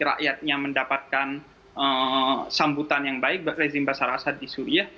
rakyatnya mendapatkan sambutan yang baik rezim basar asat di syria